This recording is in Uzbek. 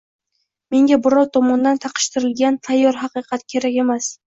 Menga birov tomonidan taqishtirilgan tayyor haqiqat kerak emas